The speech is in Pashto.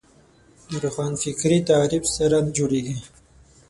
د روښانفکري تعریف سره نه جوړېږي